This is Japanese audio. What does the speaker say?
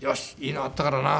いいのあったからな」